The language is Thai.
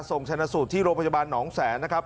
ส่งชนะสูตรที่โรงพยาบาลหนองแสนนะครับ